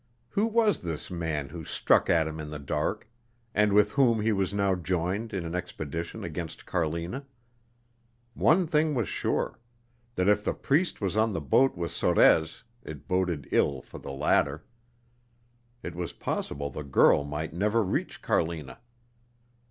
Who was this man who struck at him in the dark, and with whom he was now joined in an expedition against Carlina? One thing was sure; that if the priest was on the boat with Sorez it boded ill for the latter. It was possible the girl might never reach Carlina.